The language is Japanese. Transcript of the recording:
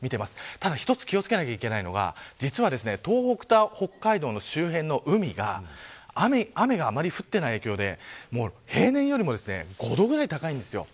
ただ一つ気を付けなきゃいけないのが東北と北海道の周辺の海が雨があまり降っていない影響で平年よりも５度ぐらい高いんです。